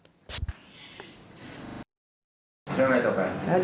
เรื่องอะไรต่อไป